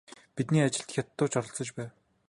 Бидний ажилд хятадууд ч оролцож байв.